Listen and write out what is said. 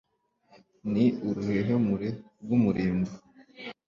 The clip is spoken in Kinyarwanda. Ni uruhehemure rw' umurimbo.